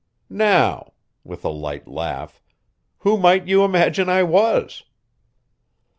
Now," with a light laugh, "who might you imagine I was?"